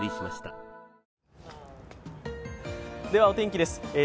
お天気です。